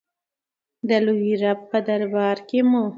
د لوی رب په دربار کې مو.